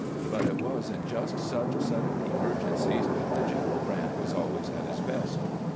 But it was in just such sudden emergencies that General Grant was always at his best.